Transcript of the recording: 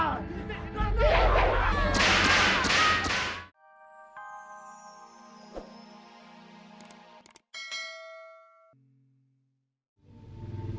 tunggu tunggu tunggu